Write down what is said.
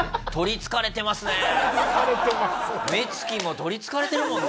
目つきも取り憑かれてるもんな。